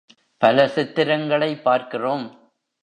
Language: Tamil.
பல சித்திரங்களைப் பார்க்கிறோம்.